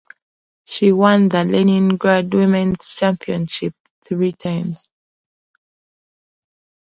She won the Leningrad Women's Championship three times.